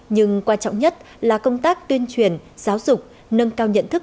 nhưng quan trọng nhất là công tác tuyên truyền giáo dục nâng cao nhận thức